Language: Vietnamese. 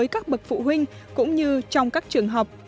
các bậc phụ huynh cũng như trong các trường học